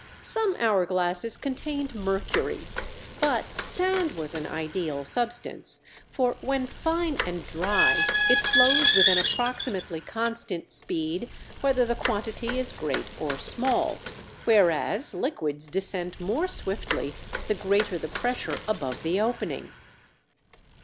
Some hour glasses contained mercury, but sand was an ideal substance, for, when fine and dry, it flows with an approximately constant speed whether the quantity is great or small, whereas, liquids descend more swiftly the greater the pressure above the opening.